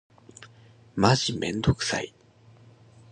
マジめんどくさい。